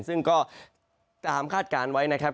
ซึ่งก็ตามคาดการณ์ไว้นะครับ